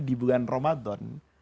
di bulan ramadan